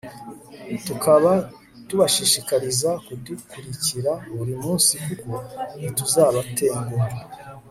tukaba tubashishikariza kudukurikira buri munsi kuko ntituzabatenguha